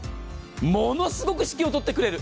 ものすごく湿気を取ってくれる。